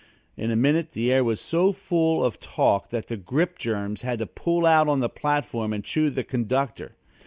In a minute the air was so full of talk that the grip germs had to pull out on the platform and chew the conductor.